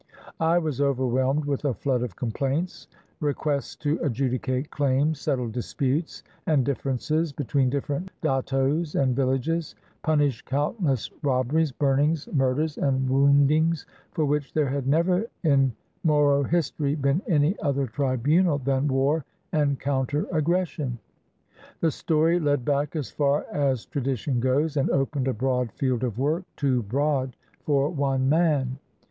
I was overwhelmed with a flood of complaints, requests to adjudicate claims, settle disputes and differences between different dattos and villages, punish countless robberies, burnings, mur 553 ISLANDS OF THE PACIFIC ders, and woundings, for which there had never in Moro history been any other tribunal than war and counter aggression. The story led back as far as tradition goes, and opened a broad field of work, too broad for one man.